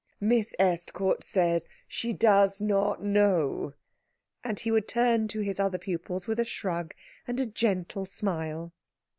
Miss Estcourt says she does not know." And he would turn to his other pupils with a shrug and a gentle smile.